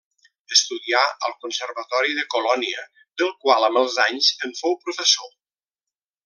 Estudià al Conservatori de Colònia del qual amb els anys en fou professor.